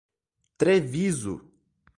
Treviso